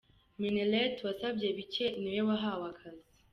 Minnaert wasabye bike niwe wahawe akazi.